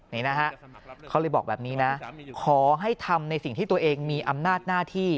นี่นะฮะเขาเลยบอกแบบนี้นะขอให้ทำในสิ่งที่ตัวเองมีอำนาจหน้าที่